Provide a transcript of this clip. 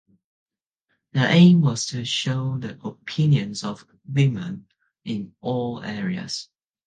The aim was to show the opinions of women in all areas.